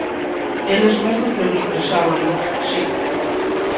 Eles mesmos menosprezábano, si.